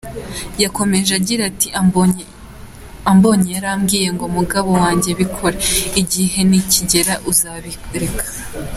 Yakomeje agira ati “Ambonye yarambwiye ati ‘Mugabo wanjye bikore, igihe nikigera uzabireka’.